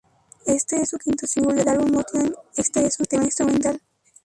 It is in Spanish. Este es su quinto single del álbum Motion, este es un tema instrumental.